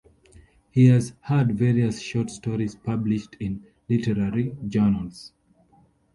He has had various short stories published in literary journals.